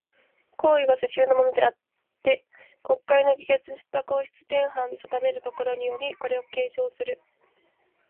皇位は、世襲のものであつて、国会の議決した皇室典範の定めるところにより、これを継承する。